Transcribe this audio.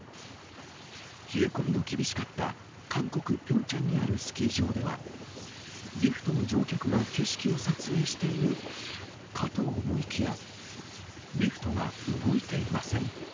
冷え込みの厳しかった韓国・ピョンチャンにあるスキー場では、リフトの乗客が景色を撮影しているかと思いきや、リフトが動いていません。